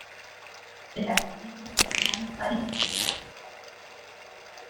Se caracteriza por su gran espádice púrpura.